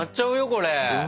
これ。